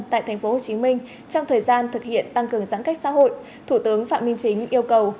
tại tp hcm trong thời gian thực hiện tăng cường giãn cách xã hội thủ tướng phạm minh chính yêu cầu